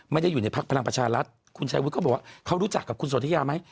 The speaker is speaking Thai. ไม่ได้อยู่ในพักพลังประชารัฐคุณชายวุฒิเขาบอกว่าเขารู้จักกับคุณสนทิยาไหม